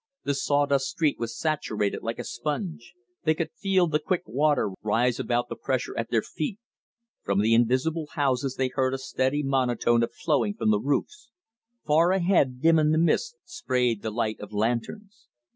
The saw dust street was saturated like a sponge. They could feel the quick water rise about the pressure at their feet. From the invisible houses they heard a steady monotone of flowing from the roofs. Far ahead, dim in the mist, sprayed the light of lanterns.